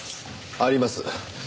あります。